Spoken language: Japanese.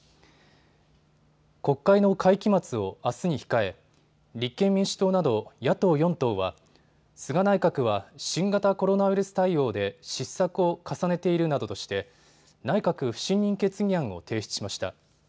国会の会期末をあすに控え、立憲民主党など野党４党は菅内閣は新型コロナウイルス対応で失策を重ねているなどとして内閣不信任決議案を提出しました。